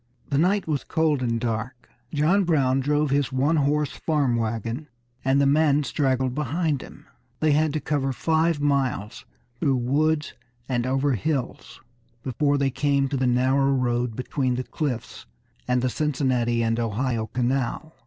The night was cold and dark. John Brown drove his one horse farm wagon, and the men straggled behind him. They had to cover five miles through woods and over hills before they came down to the narrow road between the cliffs and the Cincinnati and Ohio canal.